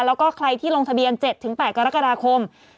แล้วก็ใครที่ลงทะเบียน๗๘กรกฎาคม